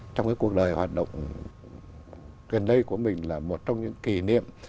trong cái cuộc đời hoạt động gần đây của mình là một trong những kỷ niệm